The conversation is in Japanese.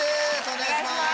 お願いします。